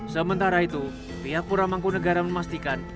sementara itu pihak pura mangkunegara memastikan